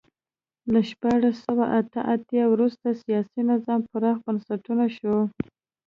له شپاړس سوه اته اتیا وروسته سیاسي نظام پراخ بنسټه شو.